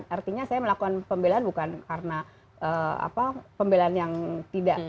artinya saya melakukan pembelahan bukan karena pembelahan yang tidak